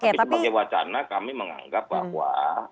tapi sebagai wacana kami menganggap bahwa